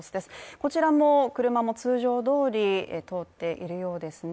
こちらも車も通常どおり通っているようですね。